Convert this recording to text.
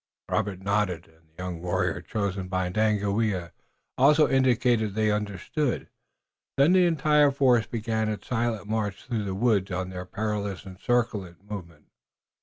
Robert nodded, and the young warriors chosen by Daganoweda also indicated that they understood. Then the entire force began its silent march through the woods on their perilous encircling movement.